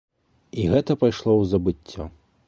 І гэта пайшло ў забыццё.